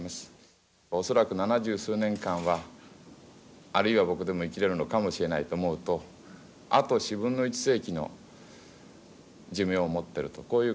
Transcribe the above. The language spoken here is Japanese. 恐らく７０数年間はあるいは僕でも生きれるのかもしれないと思うとあと４分の１世紀の寿命を持っているとこういうことになります。